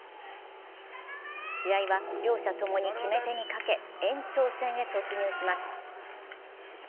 試合は両者ともに決め手に欠け、延長戦へ突入します。